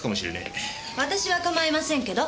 私は構いませんけど。